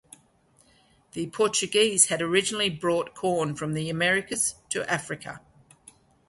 The Portuguese had originally brought corn from the Americas to Africa.